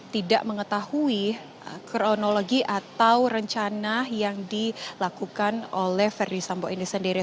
tidak mengetahui kronologi atau rencana yang dilakukan oleh verdi sambo ini sendiri